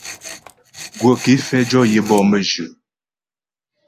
Gwə̀ ké fɛ jɔ yəbɔ mə́jyə.